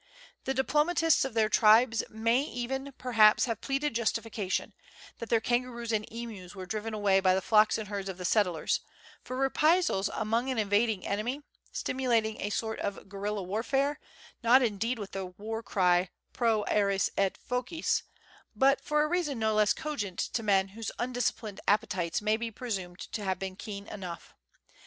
The diplomatists of their tribes may even perhaps have pleaded justification that their kangaroos and emus were driven away by the flocks and herds of the settlers for reprisals upon an invading 222 Letters from Victorian Pioneers. enemy, stimulating a sort of guerrilla warfare, not indeed with the war cry Pro arts et focis, but for a reason no less cogent to men whose undisciplined appetites may be presumed to have been keen enough.